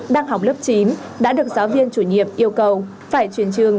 đang học lớp chín đã được giáo viên chủ nhiệm yêu cầu phải chuyển trường